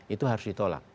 itu harus ditolak